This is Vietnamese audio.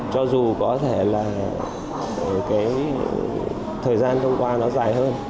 cho dù có thể là cái thời gian thông qua nó dài hơn